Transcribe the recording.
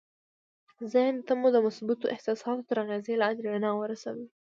ذهن ته مو د مثبتو احساساتو تر اغېز لاندې رڼا ورسوئ